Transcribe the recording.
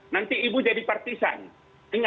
nanti ibu jadi partisan ingat itu